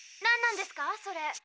何なんですかそれ？